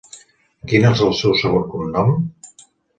I quin és el seu segon cognom?